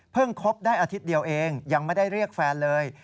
คบได้อาทิตย์เดียวเองยังไม่ได้เรียกแฟนเลย